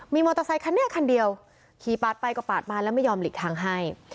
มีมอเตอร์ไซคันนี้คันเดียวขี่ปาดไปก็ปาดมาแล้วไม่ยอมหลีกทางให้